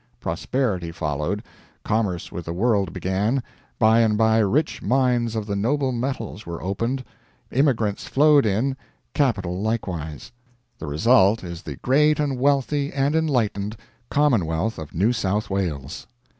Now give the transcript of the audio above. Prosperity followed, commerce with the world began, by and by rich mines of the noble metals were opened, immigrants flowed in, capital likewise. The result is the great and wealthy and enlightened commonwealth of New South Wales.